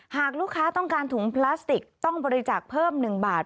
หากลูกค้าต้องการถุงพลาสติกต้องบริจาคเพิ่ม๑บาท